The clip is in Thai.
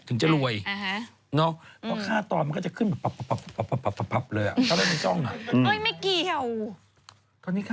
เขาคุยเรื่องแพนเค้กอยู่นะ